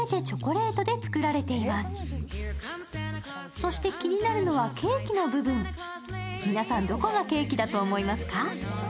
そして気になるのはケ−キの部分、皆さん、どこがケーキだと思いますか？